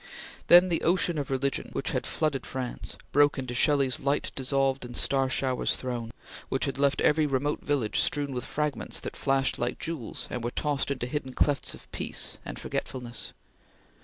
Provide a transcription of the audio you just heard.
Then the ocean of religion, which had flooded France, broke into Shelley's light dissolved in star showers thrown, which had left every remote village strewn with fragments that flashed like jewels, and were tossed into hidden clefts of peace and forgetfulness.